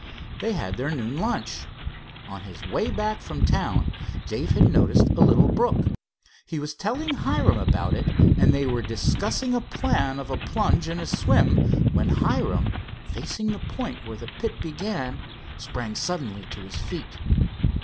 They had their noon lunch. On his way back from town Dave' had noticed a little brook. He was telling Hiram about it, and they were discussing a plan of a plunge and a swim, when Hiram, facing the point where the pit began, sprang suddenly to his feet.